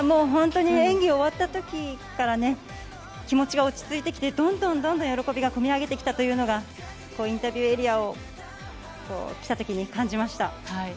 本当に演技終わった時から気持ちが落ち着いてきてどんどん喜びがこみ上げてきたというのがインタビューエリアを来た時に感じました。